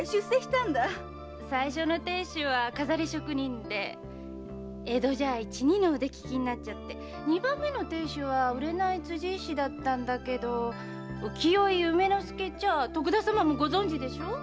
最初の亭主は餝り職人で江戸じゃ一二の腕利きになっちゃって二番目の亭主は売れない辻絵師だったんだけど浮世絵・夢助っちゃあ徳田様もご存じでしょ？